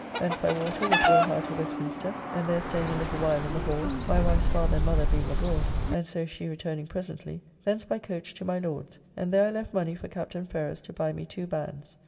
Thence by water with Will. Howe to Westminster, and there staying a little while in the Hall (my wife's father and mother being abroad, and so she returning presently) thence by coach to my Lord's, and there I left money for Captain Ferrers to buy me two bands.